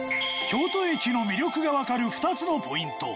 京都駅の魅力がわかる２つのポイント。